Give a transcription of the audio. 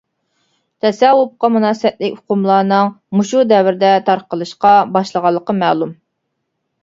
تەسەۋۋۇپقا مۇناسىۋەتلىك ئۇقۇملارنىڭ مۇشۇ دەۋردە تارقىلىشقا باشلىغانلىقى مەلۇم.